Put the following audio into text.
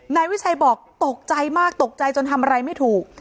นายวิชัยบอกตกใจมากตกใจจนทำอะไรไม่ถูก